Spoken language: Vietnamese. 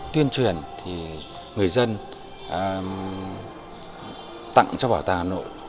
tuyên truyền thì người dân tặng cho bảo tàng hà nội